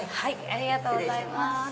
ありがとうございます。